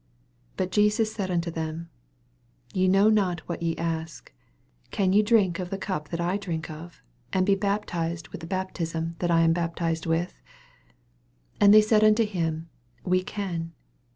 38 But Jesus said unto them, Ye know not what ye ask : can ye drink of the cup that I drink of? and be baptized with the baptism that I am baptized with ? 39 And they said unto him. We can.